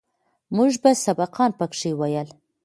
موږ به سبقان پکښې ويل.